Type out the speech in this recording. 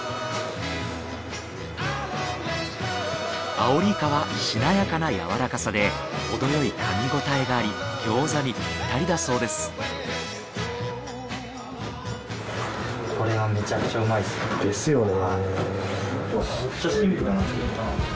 アオリイカはしなやかなやわらかさでほどよい噛みごたえがあり餃子にぴったりだそうです。ですよね。